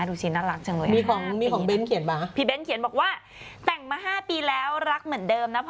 ดูสิน่ารักจังเลย๕ปีน่ะพี่เบ้นเขียนบอกว่าแต่งมา๕ปีแล้วรักเหมือนเดิมนะพ่อ